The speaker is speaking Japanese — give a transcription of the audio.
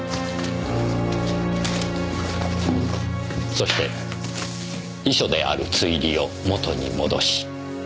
そして遺書である『堕栗花』を元に戻し。